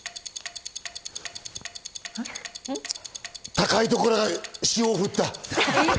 高いところから塩を振った。